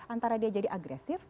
antara dia jadi agresif